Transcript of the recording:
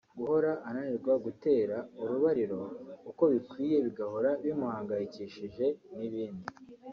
guhora ananirwa gutera urubariro uko bikwiye bigahora bimuhangayikishije n’ibindi